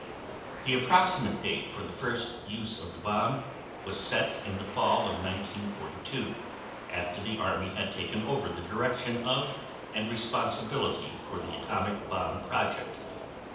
The approximate date for the first use of the bomb was set in the fall of 1942 after the Army had taken over the direction of and responsibility for the atomic bomb project.